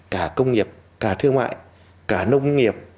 cả công nghiệp cả thương mại cả nông nghiệp